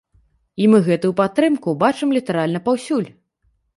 І мы гэтую падтрымку бачым літаральна паўсюль.